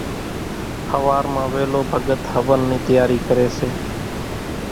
ۿوار مان ويلو ڀڳت هونَ نِي تياري ڪريَ سي۔